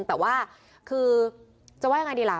แต่ว่าคือจะว่ายังไงดีล่ะ